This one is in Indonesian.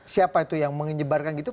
siapa itu yang menyebarkan gitu